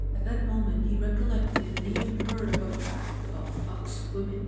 At that moment he recollected that he had heard of a fact about fox women.